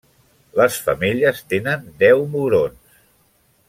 Les femelles tenen deu mugrons.